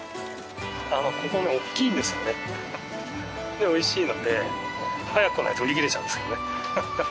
で美味しいので早く来ないと売り切れちゃうんですよね。